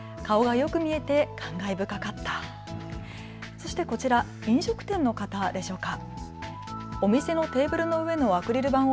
そしてこちら、飲食店の方でしょうか。